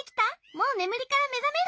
もうねむりからめざめる？